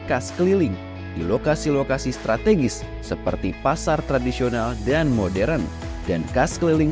khas keliling di lokasi lokasi strategis seperti pasar tradisional dan modern dan khas keliling